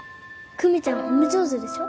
久美ちゃん褒め上手でしょ。